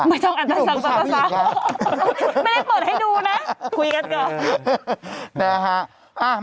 ไม่ต้องอาจารย์สั่งภาษาไม่ได้เปิดให้ดูนะคุยกันก่อนนะครับไม่ต้องอาจารย์สั่งภาษา